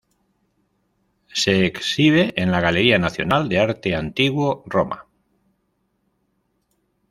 Se exhibe en la Galería Nacional de Arte Antiguo, Roma.